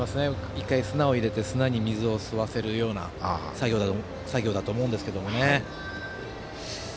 １回、砂を入れて砂に水を吸わせるような作業だと思うんですけどね。